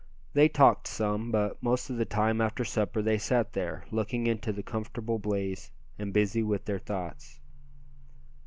They talked some, but most of the time after supper they sat there, looking into the comfortable blaze, and busy with their thoughts.